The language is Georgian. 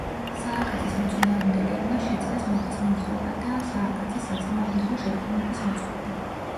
სააკაძის მოწინააღმდეგებმა შეძლეს მეფის მიმხრობა და სააკაძის საწინააღმდეგო შეთქმულების მოწყობა.